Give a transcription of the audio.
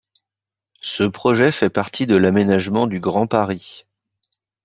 Ce projet fait partie de l’aménagement du Grand Paris.